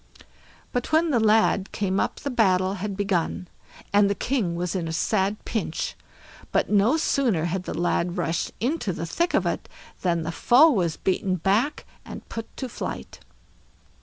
But when the lad came up the battle had begun, and the king was in a sad pinch; but no sooner had the lad rushed into the thick of it than the foe was beaten back, and put to flight.